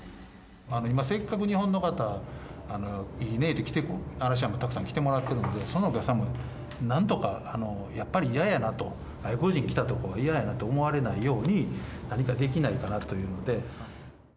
今、せっかく日本の方、いいねって来てくれる、嵐山、たくさん来てもらってるので、そのお客さんもなんとかやっぱり、嫌やなと、外国人来た所は嫌やなと思われないように、何かできないかなというので。